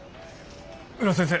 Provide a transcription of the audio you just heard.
宇野先生